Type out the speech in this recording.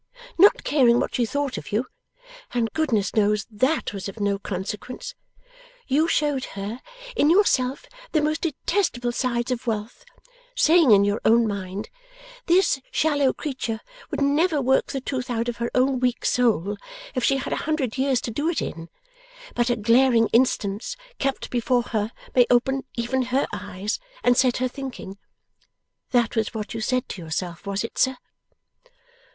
Not caring what she thought of you (and Goodness knows THAT was of no consequence!) you showed her, in yourself, the most detestable sides of wealth, saying in your own mind, "This shallow creature would never work the truth out of her own weak soul, if she had a hundred years to do it in; but a glaring instance kept before her may open even her eyes and set her thinking." That was what you said to yourself, was it, sir?